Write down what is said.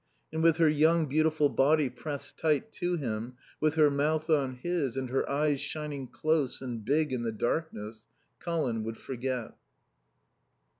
And with her young, beautiful body pressed tight to him, with her mouth on his and her eyes shining close and big in the darkness, Colin would forget.